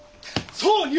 そう！